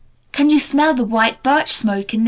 Can you smell the white birch smoke in this letter?"